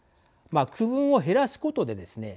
区分を減らすことでですね